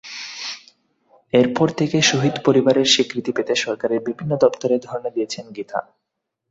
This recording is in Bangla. এরপর থেকে শহীদ পরিবারের স্বীকৃতি পেতে সরকারের বিভিন্ন দপ্তরে ধরনা দিয়েছেন গীতা।